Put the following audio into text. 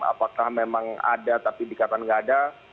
apakah memang ada tapi dikatakan tidak ada